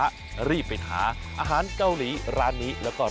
เอาล่ะเดินทางมาถึงในช่วงไฮไลท์ของตลอดกินในวันนี้แล้วนะครับ